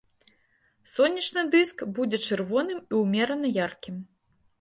Сонечны дыск будзе чырвоным і ўмерана яркім.